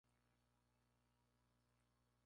Fui muy egoísta.